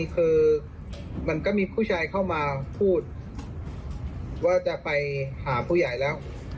กระติกจะไปหาผู้ใหญ่แล้ว